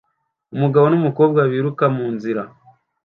Umugabo n'umukobwa muto biruka munzira